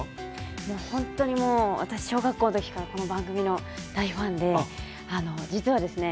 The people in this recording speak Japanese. もうほんとにもう私小学校の時からこの番組の大ファンで実はですね